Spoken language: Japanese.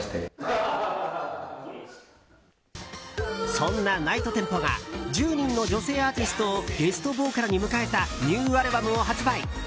そんなＮｉｇｈｔＴｅｍｐｏが１０人の女性アーティストをゲストボーカルに迎えたニューアルバムを発売。